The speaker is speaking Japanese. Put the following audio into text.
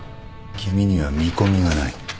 君には見込みがない